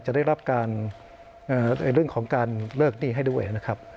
จะได้รับการในเรื่องของการเลิกหนี้ให้ด้วยนะครับ